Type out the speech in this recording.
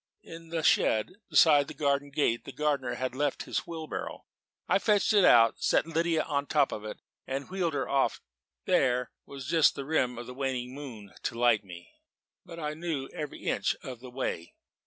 In the shed beside the garden gate the gardener had left his wheelbarrow. I fetched it out, set Lydia on the top of it, and wheeled her off towards Woeful Ness. There was just the rim of a waning moon to light me, but I knew every inch of the way.